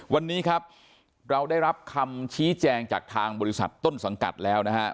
วันนี้ครับเราได้รับคำชี้แจงจากทางบริษัทต้นสังกัดแล้วนะฮะ